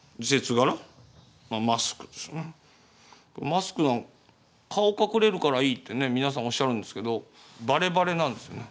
マスク顔隠れるからいいってね皆さんおっしゃるんですけどバレバレなんですね。